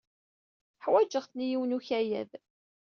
Ḥwajeɣ-ten i yiwen n ukayad.